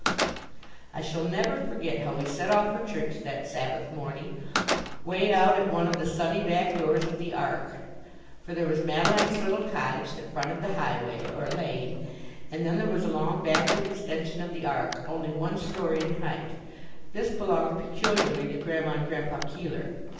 I shall never forget how we set off for church that Sabbath morning, way out at one of the sunny back doors of the Ark: for there was Madeline's little cottage that fronted the highway, or lane, and then there was a long backward extension of the Ark, only one story in height. This belonged peculiarly to Grandma and Grandpa Keeler.